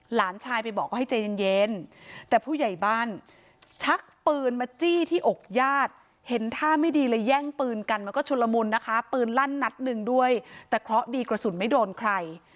หลานชายไปบอกว่าให้ใจเย็นแต่ผู้ใหญ่บ้านชักปืนมาจี้ที่อกญาติเห็นท่าไม่ดีเลยแย่งปืนกันมันก็ชุลมุนนะคะปืนลั่นนัดหนึ่งด้วยแต่เคราะห์ดีกระสุนไม่โดนใคร